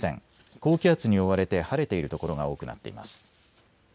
高気圧に覆われて晴れている所が多くなっています。